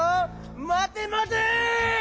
まてまて！